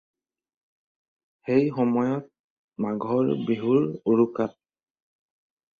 সেই সময়ত মাঘৰ বিহুৰ উৰুকাত।